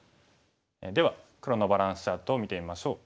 では黒のバランスチャートを見てみましょう。